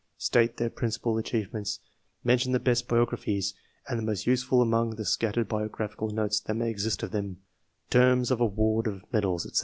State their principal achievements, mention the best bio graphies, and the most useful among the scattered biographical notices that may exist of them; terms of award of medals, &c.